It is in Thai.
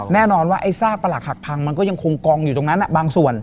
แน่นอนว่าไอ้ซากประหลักหักพังมันก็ยังคงกองอยู่ตรงนั้นบางส่วน